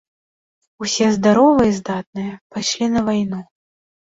Усе здаровыя і здатныя пайшлі на вайну.